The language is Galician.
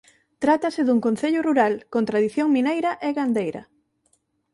Trátase dun concello rural con tradición mineira e gandeira.